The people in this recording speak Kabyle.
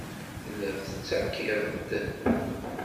Tellid tettakid-d.